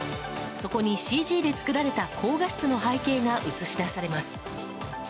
そこにＣＧで作られた高画質の背景が映し出されます。